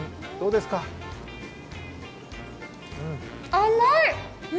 甘い！